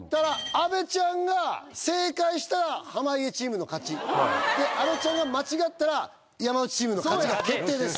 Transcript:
阿部ちゃんが正解したら濱家チームの勝ちで阿部ちゃんが間違ったら山内チームの勝ちが決定です